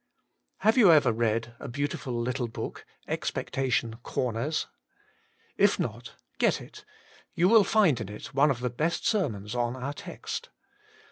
HAVE you ever read a beautiful little book, Expectation Corners 'i If not, get it; you will find in it one of the best sermons on our text.